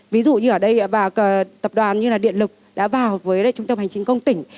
ví dụ như ở đây tập đoàn như điện lực đã vào với trung tâm hành trình công tỉnh